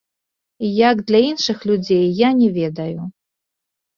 Як для іншых людзей, я не ведаю.